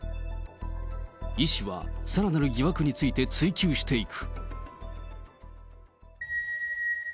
イ氏はさらなる疑惑について追及していく。